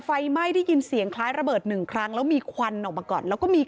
ไฟไหม้ได้ยินเสียงคล้ายระเบิดหนึ่งครั้งแล้วมีควันออกมาก่อนแล้วก็มี